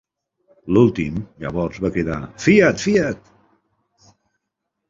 L'últim llavors va cridar "fiat, fiat!".